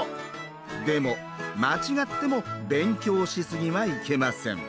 でも間違っても勉強しすぎはいけません。